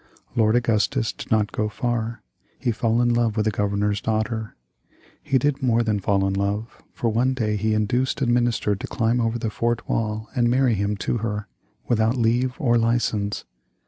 Lord Augustus did not go far. He fell in love with the Governor's daughter. He did more than fall in love, for one day he induced a minister to climb over the fort wall and marry him to her, without leave or license.